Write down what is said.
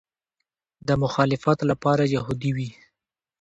د مخالفت لپاره یهودي وي.